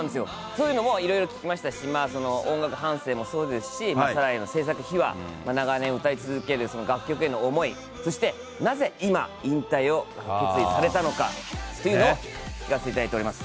そういうのもいろいろ聞きましたし、音楽半生もそうですし、サライの制作秘話、長年、歌い続ける楽曲への思い、そしてなぜ、今、引退を決意されたのかというのを聞かせていただいております。